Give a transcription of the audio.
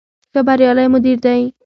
ښه بریالی مدیر دی.